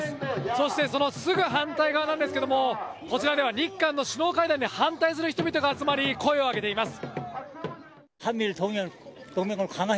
そしてそのすぐ反対側なんですけれども、こちらでは日韓の首脳会談に反対する人々が集まり、声を上げています。